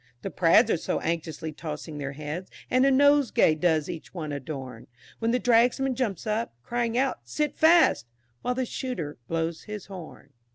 The prads are so anxiously tossing their heads, And a nosegay does each one adorn, When the Dragsman jumps up, crying out "sit fast," While the shooter blows his horn.